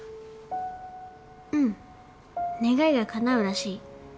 うん願いがかなうらしい。